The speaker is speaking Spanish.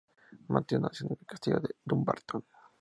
Mateo nació en el castillo de Dumbarton.